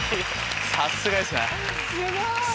さすがですね。